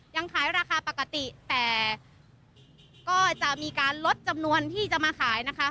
ยังขายราคาปกติแต่ก็จะมีการลดจำนวนที่จะมาขายนะคะ